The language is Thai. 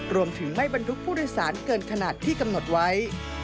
รวมถึงไม่บรรทุกผู้โดยสารเกินขนาดที่กำหนดไว้